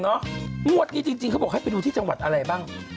งวดนี้จริงเขาบอกให้ไปดูที่จังหวัดอะไรบ้าง